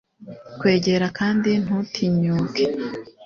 Kwegera kandi ntutinyuke